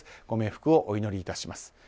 ご冥福をお祈りします。